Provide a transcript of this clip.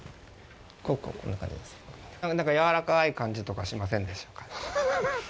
ここ、なんかやわらかい感じとかしませんでしょうか。